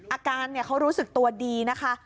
อาการเขารู้สึกตัวดีนะคะ